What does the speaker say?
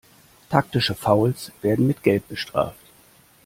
Taktische Fouls werden mit Gelb bestraft.